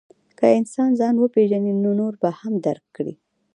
که انسان ځان وپېژني، نو نور به هم درک کړي.